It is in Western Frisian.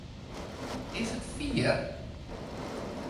Is it fier?